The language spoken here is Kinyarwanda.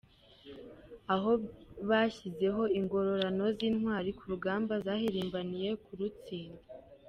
Aho bashyizeho ingororano z’intwari ku rugamba zahirimbaniye kututsinda.